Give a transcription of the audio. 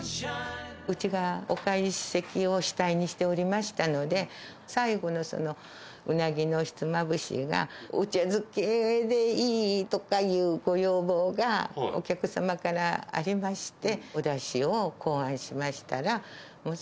うちがお懐石を主体にしておりましたので、最後のうなぎのひつまぶしが、お茶漬けでいいとかいうご要望が、お客様からありまして、おだしを考案しましたら、もの